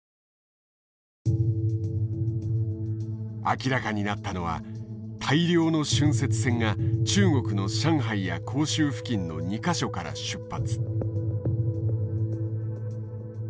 明らかになったのは大量の浚渫船が中国の上海や広州付近の２か所から出発。